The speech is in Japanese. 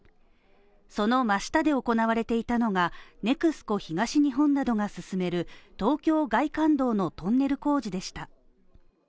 その真下で行われていたのが、ＮＥＸＣＯ東日本などが進める東京外環道のトンネル工事でした。